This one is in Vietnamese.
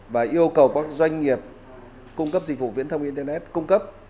và yêu cầu các doanh nghiệp cung cấp dịch vụ viễn thông internet cung cấp